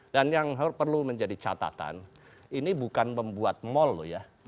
dan yang perlu menjadi catatan ini bukan membuat mall loh ya